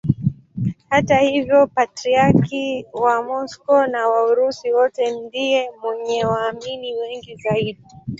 Hata hivyo Patriarki wa Moscow na wa Urusi wote ndiye mwenye waamini wengi zaidi.